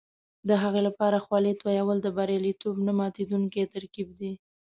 د هغې لپاره خولې تویول د بریالیتوب نه ماتېدونکی ترکیب دی.